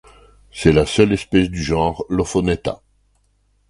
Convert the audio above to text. C'est la seule espèce du genre Lophonetta.